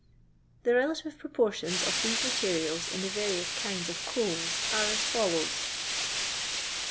The relative proportions of these materials in the various kinds of coals are as follows